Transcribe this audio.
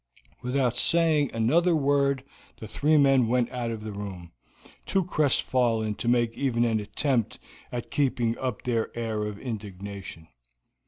Without saying another word the three men went out of the room, too crestfallen to make even an attempt at keeping up their air of indignation.